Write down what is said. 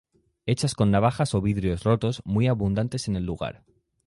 Hechas con navajas o vidrios rotos muy abundantes en el lugar.